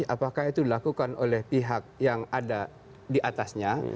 apakah itu dilakukan oleh pihak yang ada diatasnya